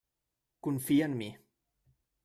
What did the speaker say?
Confia en mi.